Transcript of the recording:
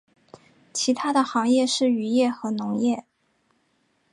其它的行业是渔业和农业。